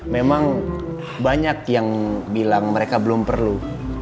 memang banyak yang bilang mereka belum perlu